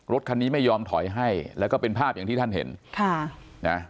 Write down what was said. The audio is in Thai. รถคันนี้ไม่ยอมถอยให้แล้วก็เป็นภาพอย่างที่ท่านเห็นค่ะนะ